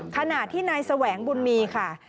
ขณะที่นายแสวงบุญมีค่ะ